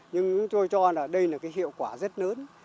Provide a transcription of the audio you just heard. nhưng tôi cho là đây là cái hiệu quả rất lớn